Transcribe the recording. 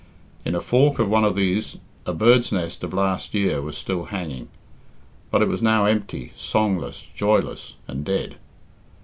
In a fork of one of these a bird's nest of last year was still hanging; but it was now empty, songless, joyless, and dead.